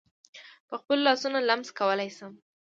په خپلو لاسونو لمس کولای شم.